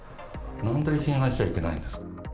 なんで批判しちゃいけないんですか。